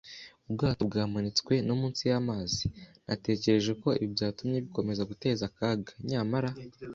ubwato bwamanitswe no munsi y'amazi. Natekereje ko ibi byatumye bikomeza guteza akaga; nyamara